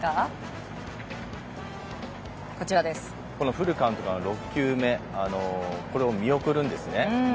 フルカウントからの６球目を見送るんですね。